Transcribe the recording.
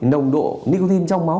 nồng độ nicotine trong máu